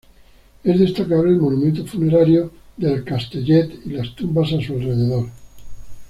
Es destacable el monumento funerario de El Castellet y las tumbas a su alrededor.